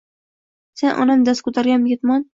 Sen, onam dast koʼtargan ketmon